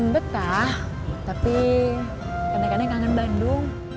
betah tapi kadang kadang kangen bandung